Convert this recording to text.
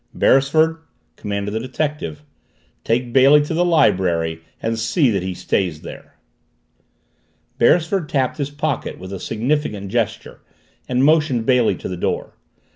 "Beresford," commanded the detective, "take Bailey to the library and see that he stays there." Beresford tapped his pocket with a significant gesture and motioned Bailey to the door.